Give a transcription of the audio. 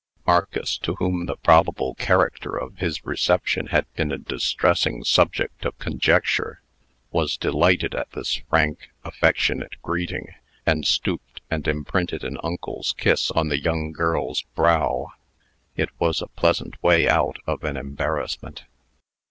Marcus, to whom the probable character of his reception had been a distressing subject of conjecture, was delighted at this frank, affectionate greeting, and stooped and imprinted an uncle's kiss on the young girl's brow. It was a pleasant way out of an embarrassment.